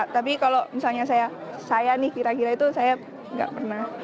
tapi kalau misalnya saya nih kira kira itu saya nggak pernah